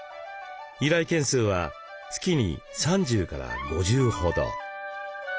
依頼件数は月に３０５０ほど。